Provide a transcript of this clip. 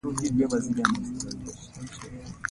پوپنکي ژوندي موجودات دي چې پر شنو او تازه ونو یرغل کوي.